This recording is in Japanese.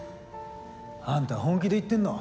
あんた本気で言ってんの？